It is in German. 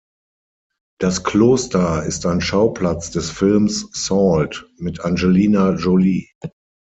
Das Kloster ist ein Schauplatz des Films Salt mit Angelina Jolie.